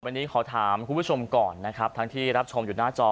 วันนี้ขอถามคุณผู้ชมก่อนนะครับทั้งที่รับชมอยู่หน้าจอ